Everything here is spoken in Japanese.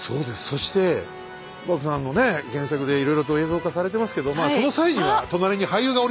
そして獏さんのね原作でいろいろと映像化されてますけどまあその際には隣に俳優がおりますので。